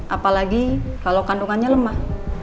apalagi kalau kandungannya lemah